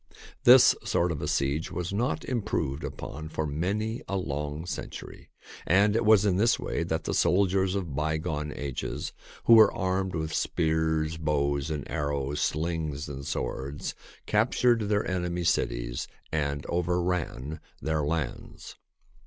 This sort of siege was not im proved upon for many a long century, and it was in this way that the soldiers of by gone ages, who were armed with spears, bows and arrows, slings, and swords, captured their enemies' cities and over ran their lands.